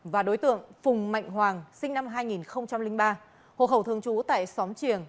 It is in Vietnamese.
và đối tượng phùng mạnh hoàng sinh năm hai nghìn ba hồ khẩu thường trú tại xóm triềng